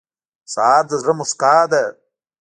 سهار د زړه موسکا ده.